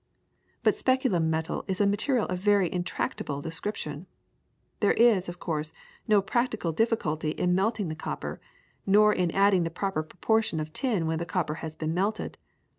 But speculum metal is a material of a very intractable description. There is, of course, no practical difficulty in melting the copper, nor in adding the proper proportion of tin when the copper has been melted.